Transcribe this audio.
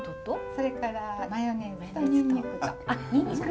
それからマヨネーズとにんにく。